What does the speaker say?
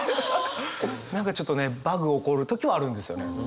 何かちょっとねバグ起こる時はあるんですよね。